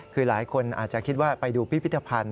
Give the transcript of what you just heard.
คือหลายคนอาจจะคิดว่าไปดูพิพิธภัณฑ์